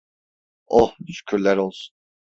Oh, şükürler olsun.